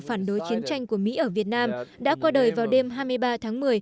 phản đối chiến tranh của mỹ ở việt nam đã qua đời vào đêm hai mươi ba tháng một mươi